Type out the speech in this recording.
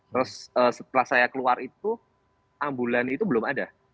terus setelah saya keluar itu ambulan itu belum ada